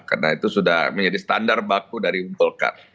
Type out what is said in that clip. karena itu sudah menjadi standar baku dari golkar